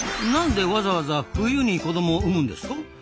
なんでわざわざ冬に子どもを産むんですか？